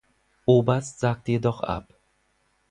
Oberst sagte jedoch ab.